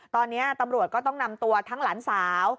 ตอนนี้ตำรวจก็ต้องนำตัวทั้งหลานสาว